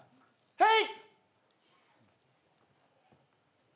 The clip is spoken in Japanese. はい。